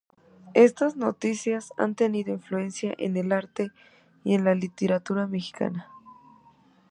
Estas noticias han tenido influencia en el arte y en la literatura mexicana.